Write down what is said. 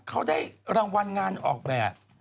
เขาได้รางวัลงานออกแบบ